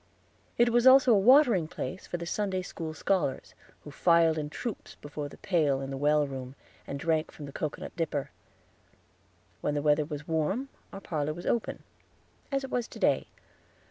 It was also a watering place for the Sunday school scholars, who filed in troops before the pail in the well room, and drank from the cocoanut dipper. When the weather was warm our parlor was open, as it was to day.